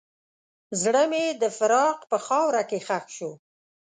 زړه مې د فراق په خاوره کې ښخ شو.